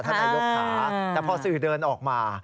ท่านนายกค่ะแต่พอสื่อเดินออกมา